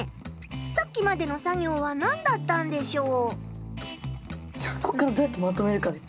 さっきまでの作業は何だったんでしょう。